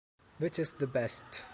which is the best?